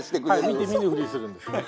見て見ぬふりするんですね。